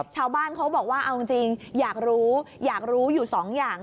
ชาวบ้านเขาบอกว่าเอาจริงอยากรู้อยู่๒อย่าง